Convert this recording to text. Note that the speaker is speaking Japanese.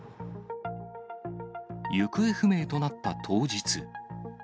行方不明となった当日。